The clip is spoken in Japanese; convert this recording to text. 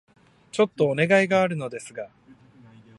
ちょっとお願いがあるのですが...